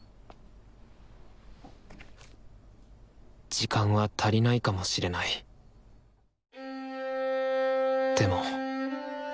時間は足りないかもしれないでも頑張り方は